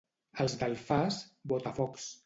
Els d'Alfàs, botafocs.